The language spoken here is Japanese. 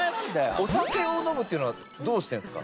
お酒を飲むっていうのはどうしてるんですか？